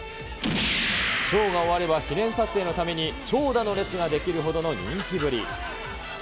ショーが終われば、記念撮影のために長蛇の列が出来るほどの人気ぶり。